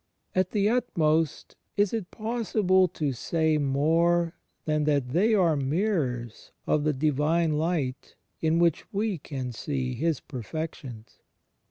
At the utmost is it possible to say more than that they are mirrors of the Divine Light in which we can see His Perfections?